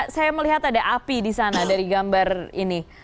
saya melihat ada api di sana dari gambar ini